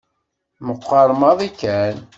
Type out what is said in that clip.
Meqqer maḍi kan.